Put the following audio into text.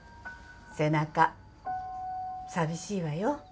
背中寂しいわよ。